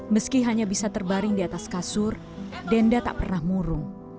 meski hanya bisa terbaring di atas kasur denda tak pernah murung